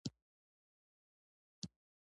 مينې ورڅخه وپوښتل خو اوس څه بايد وشي.